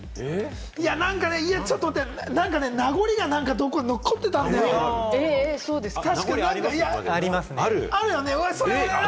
ちょっと待って、名残が残ってたんだよ。ありますね。